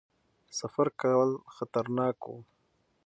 سفر کول خطرناک وو.